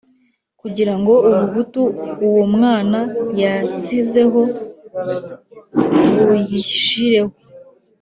kugira ngo ubuhutu uwo mwana yasizeho buyishireho.